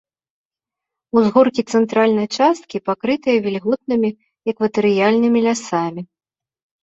Узгоркі цэнтральнай часткі пакрытыя вільготнымі экватарыяльнымі лясамі.